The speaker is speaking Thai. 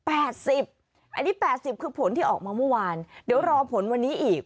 อันนี้๘๐คือผลที่ออกมาเมื่อวานเดี๋ยวรอผลวันนี้อีก